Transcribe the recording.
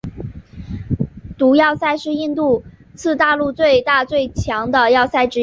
该要塞是印度次大陆最大最强的要塞之一。